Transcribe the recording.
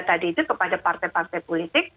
tadi itu kepada partai partai politik